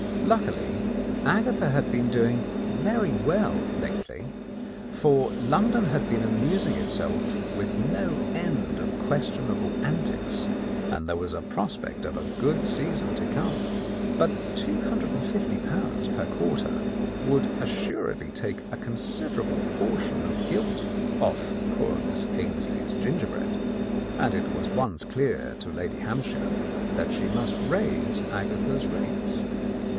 Luckily Agatha had been doing 12 The Countess of Lowndes Square very well lately, for London had been amusing itself with no end of questionable antics, and there was a prospect of a good season to come. But ^250 per quarter would assuredly take a considerable portion of gilt off poor Miss Ainslie's gingerbread, and it was at once clear to Lady Hampshire that she must raise Agatha's rates.